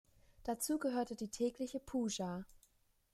Dazu gehört die tägliche Puja.